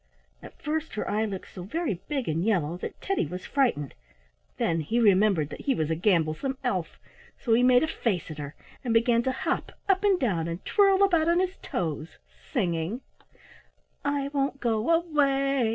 At first, her eye looked so very big and yellow that Teddy was frightened. Then he remembered that he was a gamblesome elf, so he made a face at her, and began to hop up and down and twirl about on his toes, singing: "I won't go away!